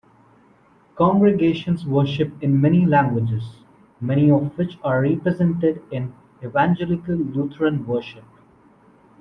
Congregations worship in many languages, many of which are represented in "Evangelical Lutheran Worship".